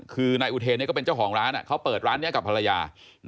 คือนายอุเทนก็เป็นเจ้าของร้านเขาเปิดร้านนี้กับภรรยา